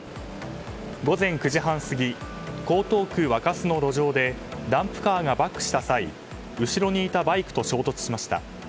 午前９時半過ぎ江東区若洲の路上でダンプカーがバックした際後ろにいたバイクと衝突しました。